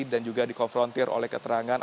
dan juga dikonfrontir oleh keterangan